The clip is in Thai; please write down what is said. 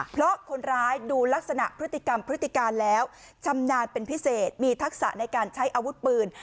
เพราะคนร้ายดูลักษณะพฤติกรรมพฤติการแล้วชำนาญเป็นพิเศษมีทักษะในการใช้อาวุธปืน